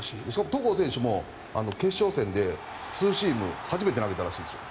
戸郷選手も決勝戦でツーシームを初めて投げらしいですよ。